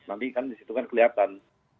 nanti kan disitu kan kelihatan